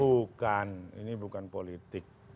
bukan ini bukan politik